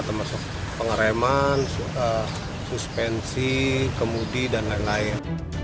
termasuk pengereman suspensi kemudi dan lain lain